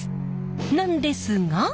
なんですが。